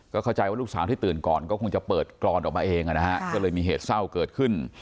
เข้าใจว่าลูกสาวที่ตื่นก่อนก็คงจะเปิดกรอนออกมาเองนะฮะก็เลยมีเหตุเศร้าเกิดขึ้น